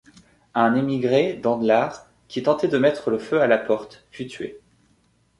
Un émigré, d'Andlar, qui tentait de mettre le feu à la porte, fut tué.